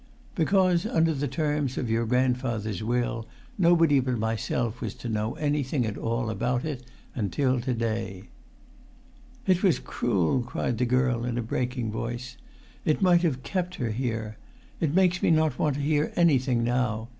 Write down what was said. "Because, under the terms of your grandfather's will, nobody but myself was to know anything at all about it until to day." "It was cruel," cried the girl, in a breaking voice; "it might have kept her here! It makes me not want to hear anything now